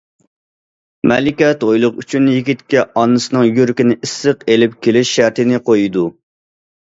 مەلىكە تويلۇق ئۈچۈن يىگىتكە ئانىسىنىڭ يۈرىكىنى ئىسسىق ئېلىپ كېلىش شەرتىنى قويىدۇ.